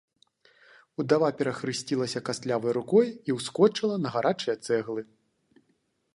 Удава перахрысцілася кастлявай рукой і ўскочыла на гарачыя цэглы.